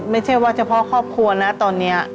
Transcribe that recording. ไม่ใช่ว่าเฉพาะครอบครัวนะตอนนี้